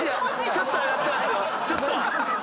ちょっとは。